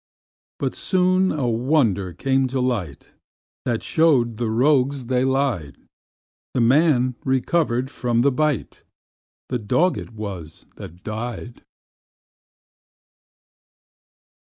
But soon a wonder came to light, That show'd the rogues they lied: The man recover'd of the bite The dog it was that died.